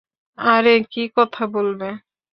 আরে কি কথা বলবে?